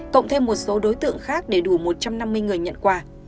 cộng thêm một số đối tượng khác để đủ một trăm năm mươi người nhận quà